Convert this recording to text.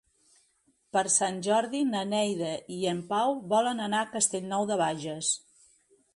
Per Sant Jordi na Neida i en Pau volen anar a Castellnou de Bages.